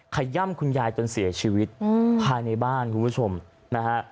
ขย่ำคุณยายจนเสียชีวิตภายในบ้านคุณผู้ชมนะฮะ